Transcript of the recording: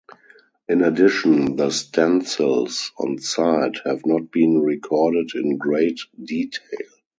In addition the stencils on site have not been recorded in great detail.